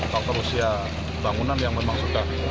faktor usia bangunan yang memang sudah